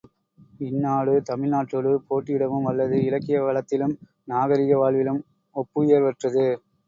இந்நாடு தமிழ் நாட்டோடு போட்டி இடவும் வல்லது இலக்கிய வளத்திலும் நாகரிக வாழ்விலும் ஒப்புயர்வற்றது.